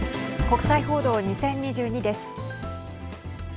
国際報道２０２２です。